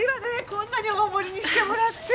こんなに大盛りにしてもらって。